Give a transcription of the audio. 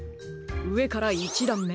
うえから１だんめあおい